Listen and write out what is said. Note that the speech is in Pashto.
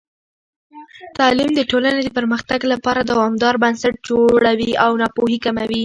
تعلیم د ټولنې د پرمختګ لپاره دوامدار بنسټ جوړوي او ناپوهي کموي.